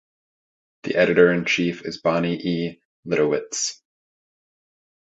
The editor in chief is Bonnie E. Litowitz.